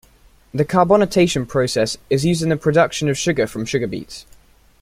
The carbonatation process is used in the production of sugar from sugar beets.